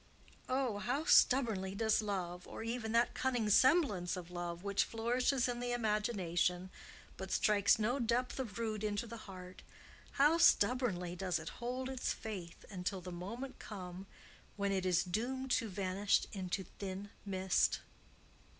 Oh, how stubbornly does love,—or even that cunning semblance of love which flourishes in the imagination, but strikes no depth of root into the heart,—how stubbornly does it hold its faith until the moment comes when it is doomed to vanish into thin mist!